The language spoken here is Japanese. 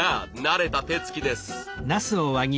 慣れた手つきです。